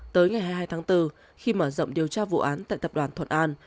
tới ngày hai mươi hai tháng bốn khi mở rộng điều tra vụ án tại tập đoàn thuận an